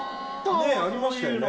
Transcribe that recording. ねえ、ありましたよね。